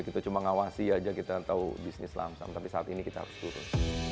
kita cuma ngawasi aja kita tahu bisnis lamsam tapi saat ini kita harus turun